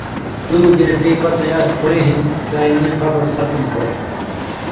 دُو گینٹی پتَیں اَس پویں ہِن دائمی قبض ختم ہوتُھو۔